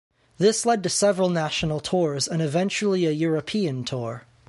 This led to several national tours and eventually a European tour.